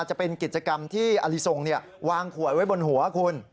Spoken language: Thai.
จะเป็นกิจกรรมที่อลิทรงวางขวดไว้บนหัวคุณ